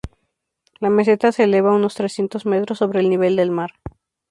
La meseta se eleva unos trescientos metros sobre el nivel del mar.